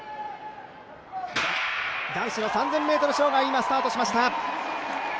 男子の３０００ｍ障害、今スタートしました。